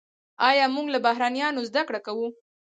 آیا موږ له بحرانونو زده کړه کوو؟